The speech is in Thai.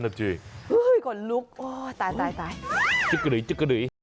น่าจริงอุ้ยก่อนลุกตายจุ๊กกระดุยจุ๊กกระดุย